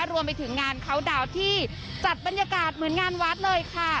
รวมไปถึงงานเขาดาวน์ที่จัดบรรยากาศเหมือนงานวัดเลยค่ะ